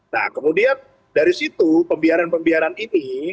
nah kemudian dari situ pembiaran pembiaran ini